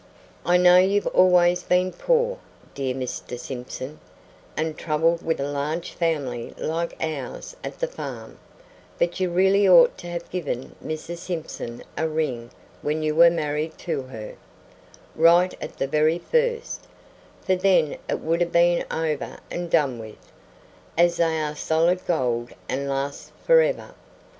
I know you've always been poor, dear Mr. Simpson, and troubled with a large family like ours at the farm; but you really ought to have given Mrs. Simpson a ring when you were married to her, right at the very first; for then it would have been over and done with, as they are solid gold and last forever.